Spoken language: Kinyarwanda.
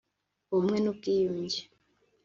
Ubumwe n’Ubwiyunge